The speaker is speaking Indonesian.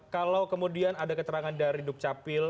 kalau kemudian ada keterangan dari duk capil